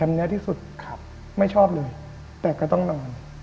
แต่แคมป์เนี่ยที่สุดไม่ชอบเลยแต่ก็ต้องนอน